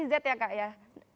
nah namanya generasi z ya kak ya